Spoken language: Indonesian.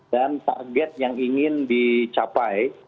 dan target yang ingin dicapai